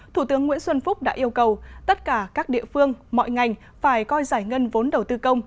thủ tướng nguyễn xuân phúc đã yêu cầu tất cả các địa phương mọi ngành phải coi giải ngân vốn đầu tư công